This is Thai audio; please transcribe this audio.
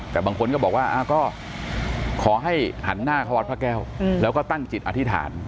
แต่บางคนก็บอกว่าก็ขอให้หันหน้าเข้าวัดพระแก้วแล้วก็ตั้งจิตอธิษฐาน